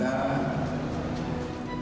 hujan manderes adera way